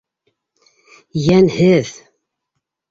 Йәнһеҙ!